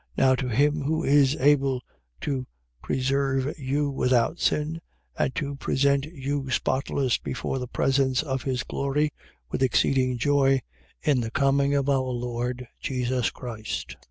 Now to him who is able to preserve you without sin and to present you spotless before the presence of his glory with exceeding joy, in the coming of our Lord Jesus Christ: 1:25.